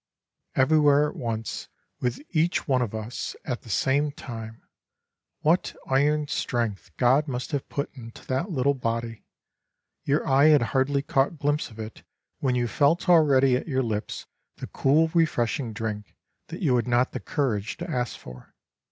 "Everywhere at once with each one of us at the same time! What iron strength God must have put into that little body! Your eye had hardly caught glimpse of it when you felt already at your lips the cool refreshing drink that you had not the courage to ask for.